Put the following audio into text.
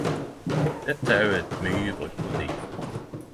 Dette er også eit mykje brukt motiv.